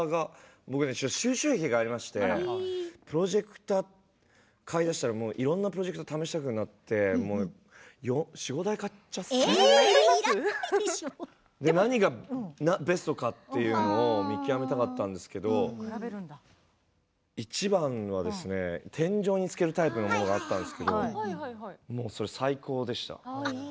僕ね、収集癖がありましてプロジェクター買いだしたらいろんなプロジェクターを試したくなって４、５台買っちゃって。何がベストかというのを見極めたかったんですけどいちばんは天井につけるタイプのものがあったんですけどそれ、最高でした。